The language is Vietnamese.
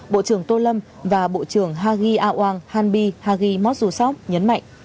bộ trưởng tô lâm và bộ trưởng hagi awang hanbi hagi mosusok nhấn mạnh